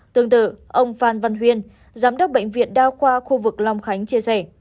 tương tự ông phan văn huyên giám đốc bệnh viện đa khoa khu vực long khánh chia sẻ